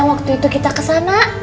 waktu itu kita kesana